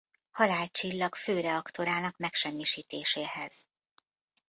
Halálcsillag fő reaktorának megsemmisítéséhez.